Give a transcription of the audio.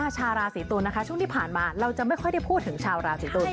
ชาวราศีตุลนะคะช่วงที่ผ่านมาเราจะไม่ค่อยได้พูดถึงชาวราศีตุล